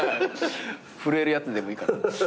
震えるやつでもいいかな。